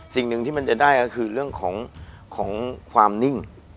สิ่งหนึ่งที่มันจะได้ก็คือเรื่องของความนิ่ง